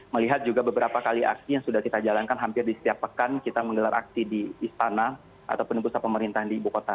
melihat juga beberapa kali aksi yang sudah kita jalankan hampir di setiap pekan kita menggelar aksi di istana ataupun pusat pemerintahan di ibu kota